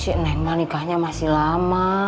si eneng mah nikahnya masih lama